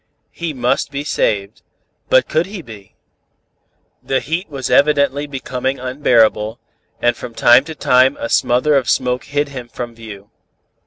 He must be saved; but could he be? The heat was evidently becoming unbearable and from time to time a smother of smoke hid him from view.